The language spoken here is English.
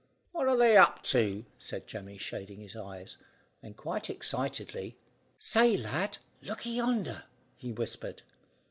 "What are they up to?" said Jemmy, shading his eyes. Then quite excitedly, "Say, lad, lookye yonder," he whispered.